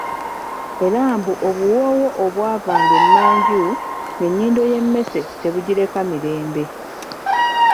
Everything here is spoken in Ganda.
Era mbu obuwoowo obw’ava nga emanju ng'ennyindo y'emmesse tebugireka mirembe!